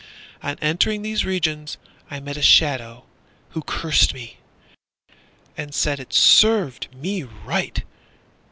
On entering these regions I met a shadow who cursed me, And said it served me right.